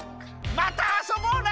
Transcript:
またあそぼうね！